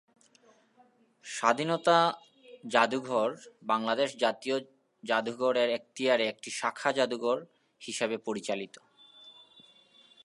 স্বাধীনতা জাদুঘর বাংলাদেশ জাতীয় জাদুঘর এর এখতিয়ারে একটি শাখা জাদুঘর হিসাবে পরিচালিত।